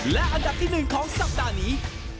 และอันดับที่๑ของสัปดาห์นี้